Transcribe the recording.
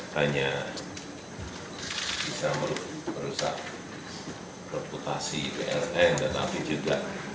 hanya bisa merusak reputasi pln dan api juga